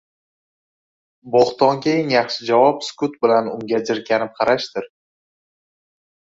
Bo‘htopga eng yaxshi javob sukut bilan unga jirkanib qarashdir.